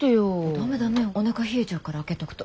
ダメダメおなか冷えちゃうから開けとくと。